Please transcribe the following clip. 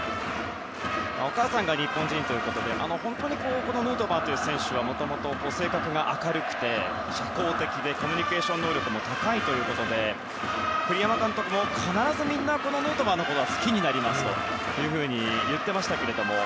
お母さんが日本人ということでこのヌートバーという選手は性格が明るくて社交的でコミュニケーション能力も高いということで栗山監督も必ずみんなヌートバーのことが好きになりますと言っていましたが。